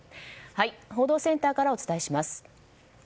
報道センターからお伝えします。